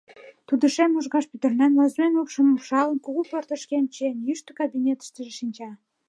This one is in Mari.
Тудо шем ужгаш пӱтырнен, лӧзмӧн упшым упшалын, кугу портышкемым чиен йӱштӧ кабинетыштыже шинча.